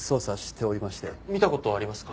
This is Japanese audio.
見た事ありますか？